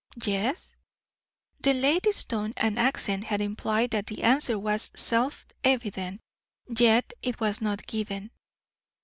"Yes." The lady's tone and accent had implied that the answer was self evident; yet it was not given.